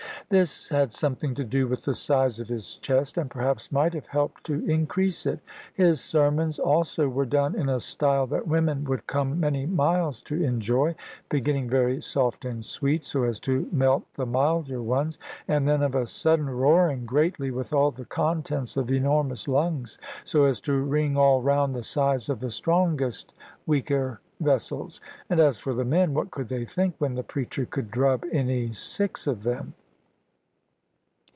This had something to do with the size of his chest, and perhaps might have helped to increase it. His sermons also were done in a style that women would come many miles to enjoy; beginning very soft and sweet, so as to melt the milder ones; and then of a sudden roaring greatly with all the contents of enormous lungs, so as to ring all round the sides of the strongest weaker vessels. And as for the men, what could they think, when the preacher could drub any six of them?